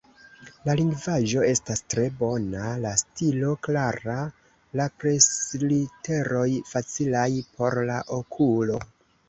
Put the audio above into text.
La lingvaĵo estas tre bona, la stilo klara, la presliteroj facilaj por la okulo.